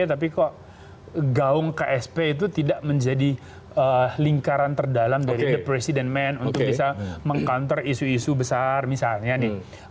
tapi kok gaung ksp itu tidak menjadi lingkaran terdalam dari the president men untuk bisa meng counter isu isu besar misalnya nih